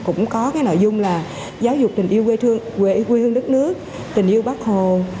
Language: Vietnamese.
cũng có nội dung là giáo dục tình yêu quê hương đất nước tình yêu bác hồ